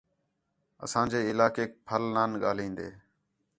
اساں جے علاقیک پُھل نان ڳاہلین٘دِن